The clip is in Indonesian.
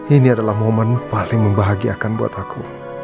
ini adalah momen paling membahagiakan buat aku